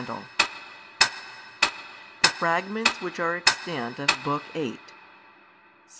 ] THE FRAGMENTS WHICH ARE EXTANT OF BOOK VIII.